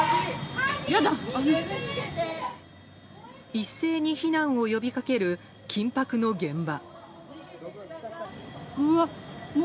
一斉に避難を呼びかける緊迫の現場。